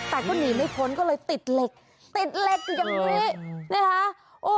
แต่ก็หนีไม่พ้นก็เลยติดเหล็กติดเหล็กอยู่อย่างนี้นะคะ